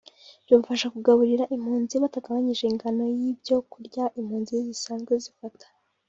byabafasha mu kugaburira impunzi batagabanyije ingano y’ibyo kurya impunzi zisanzwe zifata